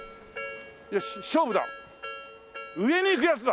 よし勝負だ！